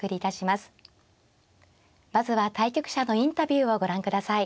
まずは対局者のインタビューをご覧ください。